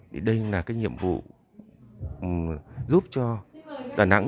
thì đây là cái nhiệm vụ giúp cho đà nẵng